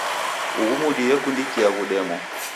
Ughu mudi yekundikia ghudemo.